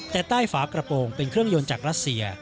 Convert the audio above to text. แต่ใต้ฝากระโปรงเป็นเครื่องยนต์จากรัสเซีย